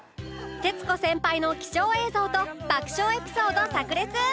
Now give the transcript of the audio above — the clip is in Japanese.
徹子先輩の貴重映像と爆笑エピソード炸裂！